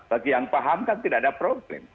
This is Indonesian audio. bagi yang paham kan tidak ada problem